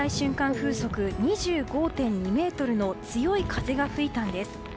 風速２５．２メートルの強い風が吹いたんです。